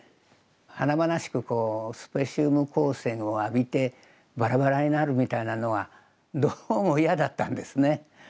華々しくスペシウム光線を浴びてバラバラになるみたいなのはどうも嫌だったんですね。